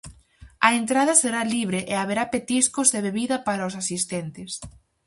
A entrada será libre e haberá petiscos e bebida para os asistentes.